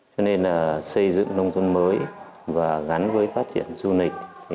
cho nên là xây dựng nông thôn mới và gắn với phát triển du lịch